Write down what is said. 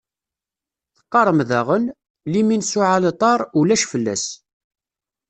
Teqqarem daɣen: Limin s uɛalṭar, ulac fell-as.